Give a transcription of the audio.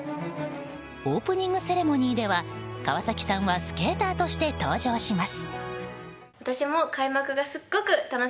オープニングセレモニーでは川崎さんはスケーターとして登場します。